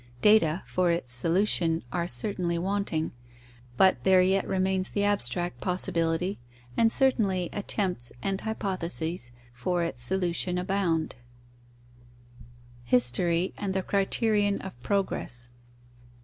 Data for its solution are certainly wanting, but there yet remains the abstract possibility, and certainly attempts and hypotheses for its solution abound. _History and the criterion of progress.